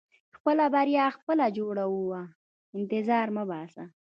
• خپله بریا خپله جوړوه، انتظار مه باسې.